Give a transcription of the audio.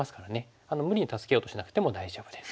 無理に助けようとしなくても大丈夫です。